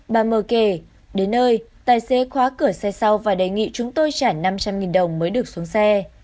bà mờ kể đến nơi tài xế khóa cửa xe sau và đề nghị chúng tôi trả năm trăm linh đồng mới được xuống xe